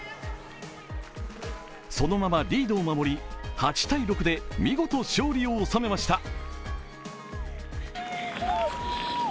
そのままリードを守り、８−６で見事勝利を収めました。